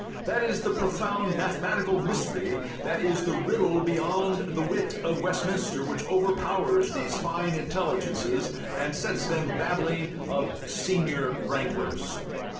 That is the profound mathematical mystery, that is the riddle beyond the wit of Westminster, which overpowers these fine intelligences and sets them babbling of "senior wranglers."